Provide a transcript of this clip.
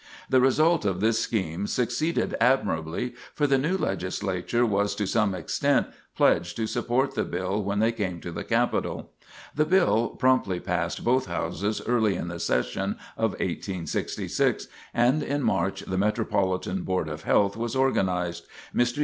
The result of this scheme succeeded admirably, for the new Legislature was to some extent pledged to support the bill when they came to the capitol. The bill promptly passed both houses early in the session of 1866, and in March the Metropolitan Board of Health was organized. Mr.